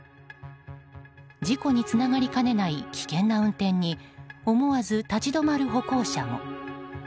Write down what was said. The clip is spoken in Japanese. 事故につながりかねない危険な運転に思わず立ち止まる歩行者も。